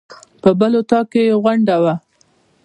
په بل اطاق کې یې غونډه وه.